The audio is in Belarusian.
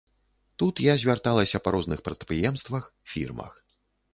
Тут я звярталася па розных прадпрыемствах, фірмах.